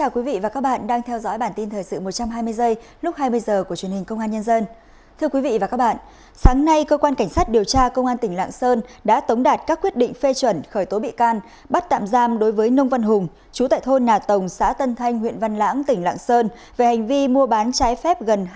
các bạn hãy đăng ký kênh để ủng hộ kênh của chúng mình nhé